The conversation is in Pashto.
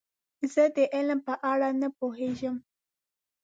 زه د علم په اړه نه پوهیږم.